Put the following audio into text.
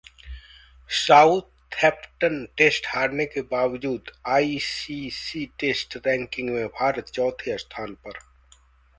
Southampton test हारने के बावजूद आईसीसी टेस्ट रैंकिंग में भारत चौथे स्थान पर